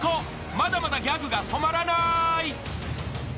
［まだまだギャグが止まらない］